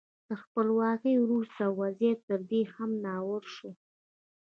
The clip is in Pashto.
تر خپلواکۍ وروسته وضعیت تر دې هم ناوړه شو.